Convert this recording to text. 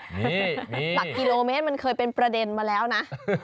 หลักกิโลเมตรมันเคยเป็นประเด็นมาแล้วนะ